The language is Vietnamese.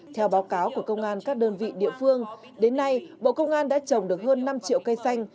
theo báo cáo của công an các đơn vị địa phương đến nay bộ công an đã trồng được hơn năm triệu cây xanh